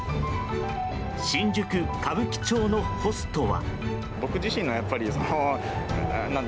新宿・歌舞伎町のホストは。